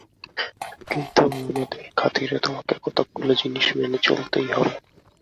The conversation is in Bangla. কিন্তু আমাদের খাতিরে তোমাকে কতকগুলো জিনিস মেনে চলতেই হবে।